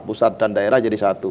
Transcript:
pusat dan daerah jadi satu